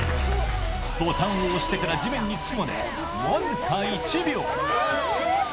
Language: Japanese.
ボタンを押してから地面につくまで、僅か１秒。